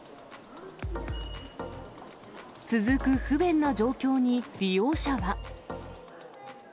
続く不便な状況に、利用者は。